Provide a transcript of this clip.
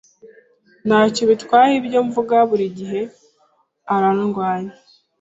Ntacyo bitwaye ibyo mvuga, burigihe arandwanya.